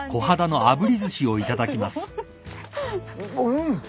うん。